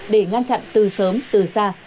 để ngăn chặn từ sớm từ xa